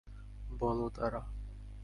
বলো, তারা।